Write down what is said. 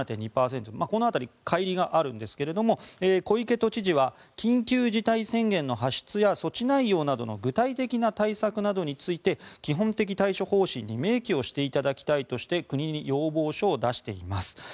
この辺り、かい離があるんですが小池都知事は緊急事態宣言の発出や措置内容などの具体的な対策などについて基本的対処方針に明記していただきたいとして国に要望書を出しています。